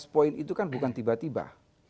lima belas poin itu kan bukan tiba tiba